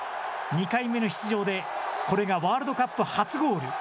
２回目の出場でこれがワールドカップ初ゴール。